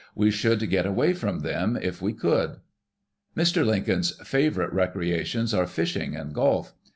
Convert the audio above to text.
We should get away from them if we could." ^Ir. Lincoln's favorite recreations are fishing and golf.